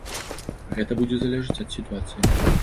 Гэта будзе залежаць ад сітуацыі.